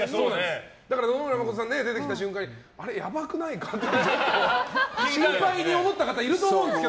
野々村真さん出てきた瞬間にあれ、やばくないか？って心配に思った方いると思うんです。